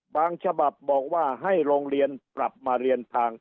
ฉบับบอกว่าให้โรงเรียนปรับมาเรียนทาง